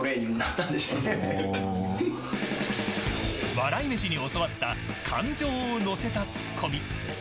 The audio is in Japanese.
笑い飯に教わった感情を乗せたツッコミ。